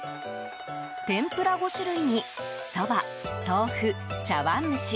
天ぷら５種類にそば、豆腐、茶碗蒸し。